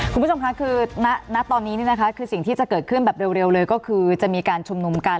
คุณผู้ชมค่ะคือณตอนนี้คือสิ่งที่จะเกิดขึ้นแบบเร็วเลยก็คือจะมีการชุมนุมกัน